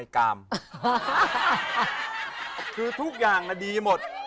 คือทุกอย่างดีหมด